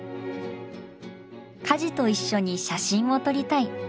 カジと一緒に写真を撮りたい。